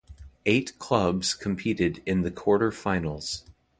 Eight clubs competed in the quarter–finals.